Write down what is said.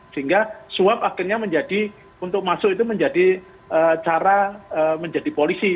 sehingga suap akhirnya menjadi untuk masuk itu menjadi cara menjadi polisi